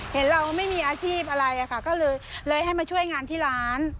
เห็นเราไม่มีอาชีพอะไรอะค่ะก็เลยให้มาช่วยงานที่ร้าน